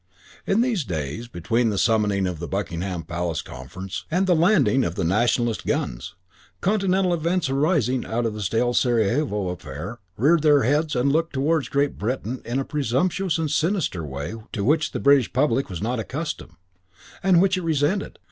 In these same days between the summoning of the Buckingham Palace Conference and the landing of the Nationalist guns, Continental events arising out of the stale Sarajevo affair reared their heads and looked towards Great Britain in a presumptuous and sinister way to which the British public was not accustomed, and which it resented.